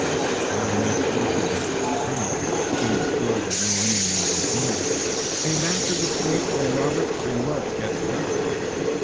Now he made a circle about their camp, and, being assured that no enemy was near, came back to the point where Robert and Willet yet slept.